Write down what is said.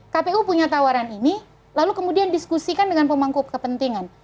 kpu punya tawaran ini lalu kemudian diskusikan dengan pemangku kepentingan